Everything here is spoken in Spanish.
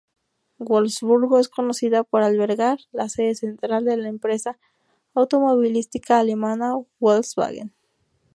Wolfsburgo es conocida por albergar la sede central de la empresa automovilística alemana Volkswagen.